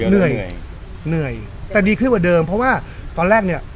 เหนื่อยเหนื่อยแต่ดีขึ้นกว่าเดิมเพราะว่าตอนแรกเนี่ย